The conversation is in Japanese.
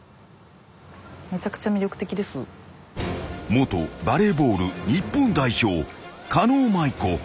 ［元バレーボール日本代表狩野舞子］